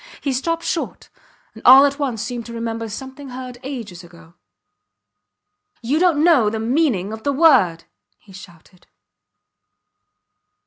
He stopped short, and all at once seemed to remember something heard ages ago. You dont know the meaning of the word, he shouted.